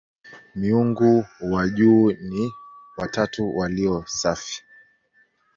Miungu wa juu ni "watatu walio safi".